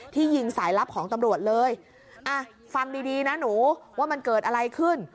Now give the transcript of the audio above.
ยิงสายลับของตำรวจเลยอ่ะฟังดีดีนะหนูว่ามันเกิดอะไรขึ้น